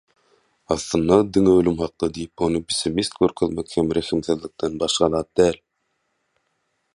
Aslynda diňe ölüm hakda diýip ony pessimist görkezmek hem rehimsizlikden başga zat däl.